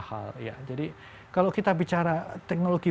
hal ya jadi kalau kita bicara teknologi